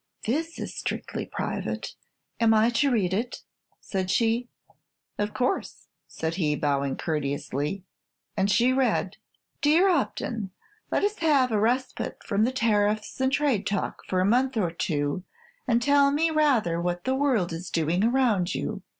"This is strictly private. Am I to read it?" said she. "Of course," said he, bowing courteously. And she read: "Dear Upton, Let us have a respite from tariffs and trade talk for a month or two, and tell me rather what the world is doing around you.